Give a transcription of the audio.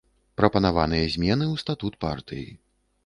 Прапанаваныя змены ў статут партыі.